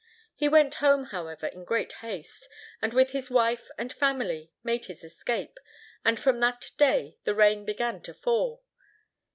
He went home, however, in great haste, and with his wife and family made his escape, and from that day the rain began to fall.